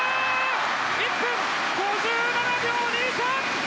１分５７秒０３！